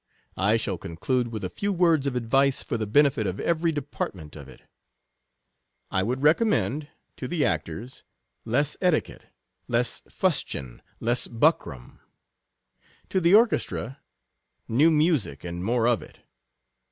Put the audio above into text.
I shall conclude with a few words of ad vice for the benefit of every department of it. I would recommend— 13 To the actors — less etiquette, less fustian, less buckram. To the orchestra — new music, and more of it.